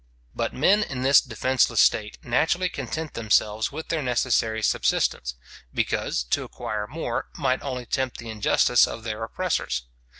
But men in this defenceless state naturally content themselves with their necessary subsistence; because, to acquire more, might only tempt the injustice of their oppressors.